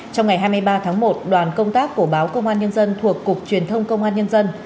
trong ngày hai mươi ba tháng một đoàn công tác của báo công an nhân dân thuộc cục truyền thông công an nhân dân